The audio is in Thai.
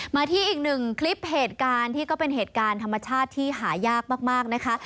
มาที่อีกหนึ่งคลิปเหตุการณ์ที่ก็เป็นเหตุการณ์ธรรมชาติที่หายากมากนะคะ